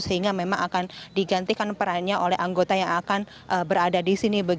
sehingga memang akan digantikan perannya oleh anggota yang akan berada di sini